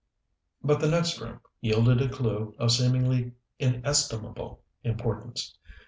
But the next room yielded a clew of seemingly inestimable importance.